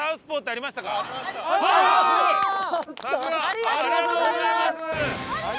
ありがとうございます。